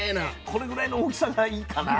これぐらいの大きさがいいかな。